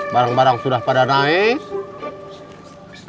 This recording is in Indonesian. barang barang sudah pada naik